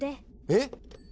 えっ！